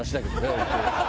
本当に。